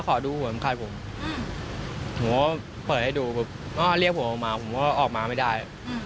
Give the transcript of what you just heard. ขอดูเหมือนกับผมผมว่าเปิดให้ดูเรียกผมออกมาผมว่าออกมาไม่ได้